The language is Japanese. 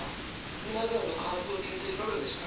皆さんの感想を聞いていかがでした？